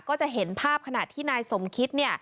ก็จะเห็นภาพขณะที่นายสมคิต